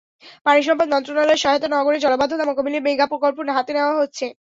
পানিসম্পদ মন্ত্রণালয়ের সহায়তায় নগরের জলাবদ্ধতা মোকাবিলায় মেগা প্রকল্প হাতে নেওয়া হচ্ছে।